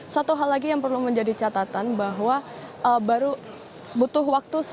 satu hal lagi yang perlu menjadi catatan bahwa baru butuh waktu